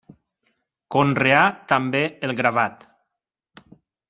Conreà també el gravat.